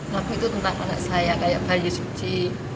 waktu itu tentang anak saya kayak bayi suci